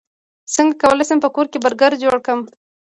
څنګه کولی شم په کور کې برګر جوړ کړم